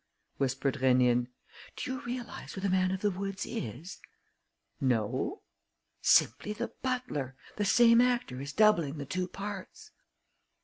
whispered Rénine. "Do you realise who the man of the woods is?" "No." "Simply the butler. The same actor is doubling the two parts."